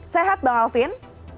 sehat bang alvin